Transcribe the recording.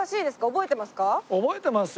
覚えてますか？